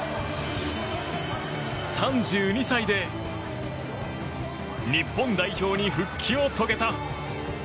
３２歳で日本代表に復帰を遂げた。